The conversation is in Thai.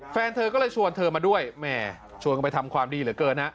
แฟนเธอก็เลยชวนเธอมาด้วยแหมชวนกันไปทำความดีเหลือเกินฮะ